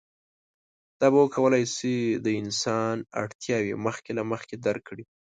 دا به وکولی شي د انسان اړتیاوې مخکې له مخکې درک کړي.